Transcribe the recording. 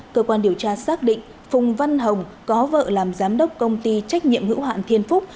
cơ quan điều tra xác định phùng văn hồng có vợ làm giám đốc công ty trách nhiệm hữu hạn thiên phúc